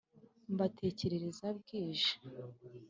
Mbatekereza bwije